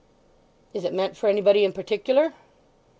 "Is it meant for anybody in particular?"